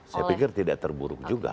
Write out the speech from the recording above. saya pikir tidak terburuk juga